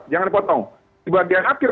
jangan potong sebagian akhir